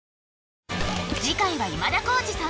次回は今田耕司さん